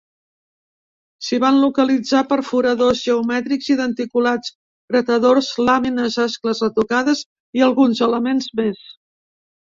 Si van localitzar perforadors geomètrics i denticulats, gratadors, lamines, ascles retocades i alguns elements més.